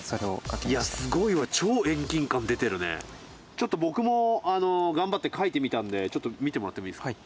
ちょっと僕も頑張って描いてみたんでちょっと見てもらってもいいですか？